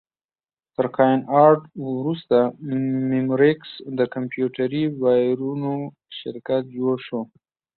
تر کاین ارټ وروسته مموریکس د کمپیوټري وایرونو شرکت جوړ شو.